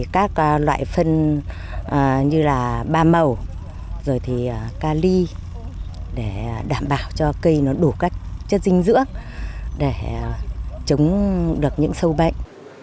các loại phân như là ba màu rồi thì ca ly để đảm bảo cho cây nó đủ các chất dinh dưỡng để chống được những sâu bệnh